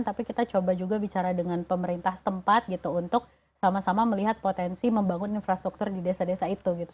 tapi kita juga coba bicara dengan pemerintah tempat untuk sama sama melihat potensi membangun infrastruktur di desa desa itu